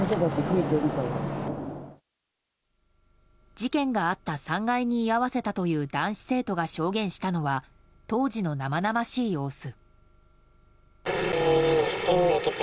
事件があった３階に居合わせたという男子生徒が証言したのは当時の生々しい様子。